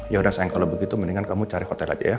yaudah sayang kalau begitu mendingan kamu cari hotel aja ya